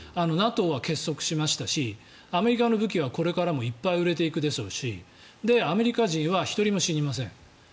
ＮＡＴＯは結束しましたしアメリカの武器はこれからもいっぱい売れていくでしょうしアメリカ人は１人も死にません。